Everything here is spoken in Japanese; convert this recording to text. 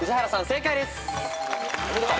正解です。